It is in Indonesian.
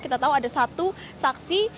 kita tahu ada satu saksi